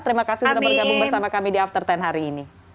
terima kasih sudah bergabung bersama kami di after sepuluh hari ini